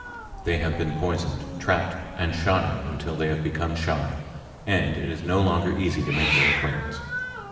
They have been poisoned, trapped, and shot at until they have become shy, and it is no longer easy to make their acquaintance.